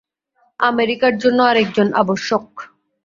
আমেরিকার জন্য আর একজন আবশ্যক।